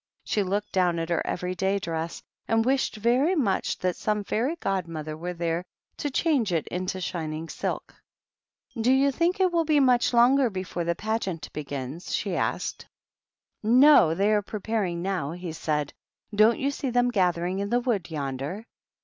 She looked down at her every day dress, and wished very much that some fairy godmother were there to cliange it into shining silk. " Do you tliink it will be much longer before the Pageant begins ?" she asked. THE PAGEANT. 301 "No; they are preparing now," he said. "Don't you see them gathering in the wood yonder